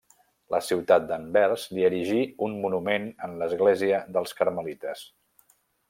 La ciutat d'Anvers li erigí un monument en l'església dels Carmelites.